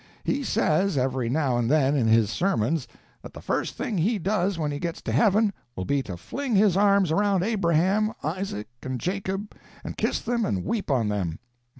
He says, every now and then in his sermons, that the first thing he does when he gets to heaven, will be to fling his arms around Abraham, Isaac and Jacob, and kiss them and weep on them.